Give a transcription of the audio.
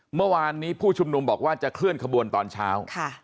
เมื่อวานนี้ผู้ชุมนุมบอกว่าจะเคลื่อนขบวนตอนเช้า